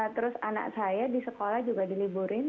terus anak saya di sekolah juga diliburin